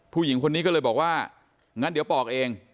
ผู้หญิงคนนี้ก็เลยบอกว่างั้นเดี๋ยวปอกเอง